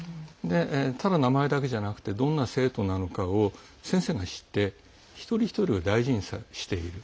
ただ名前だけじゃなくてどんな生徒なのかを先生が知って一人一人を大事にしている。